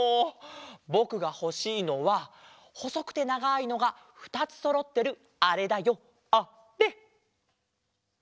ぼくがほしいのはほそくてながいのがふたつそろってるあれだよあれ！